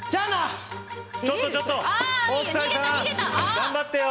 頑張ってよ！